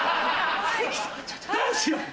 どうしようか？